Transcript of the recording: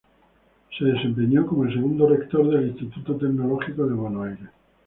Se desempeñó como el segundo rector del Instituto Tecnológico de Buenos Aires.